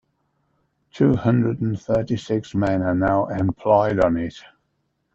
Two hundred and thirty-six men are now employed on it.